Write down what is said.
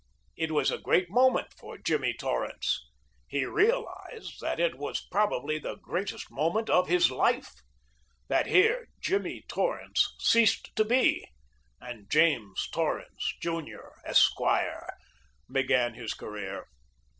It was a great moment for Jimmy Torrance. He realized that it was probably the greatest moment of his life that here Jimmy Torrance ceased to be, and James Torrance, Jr., Esq., began his career.